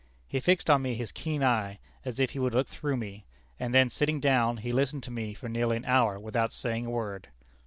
He fixed on me his keen eye, as if he would look through me: and then, sitting down, he listened to me for nearly an hour without saying a word."